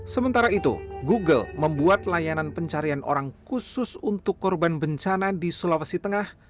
sementara itu google membuat layanan pencarian orang khusus untuk korban bencana di sulawesi tengah